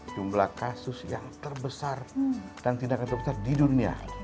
jumlah kasus yang terbesar dan tindakan terbesar di dunia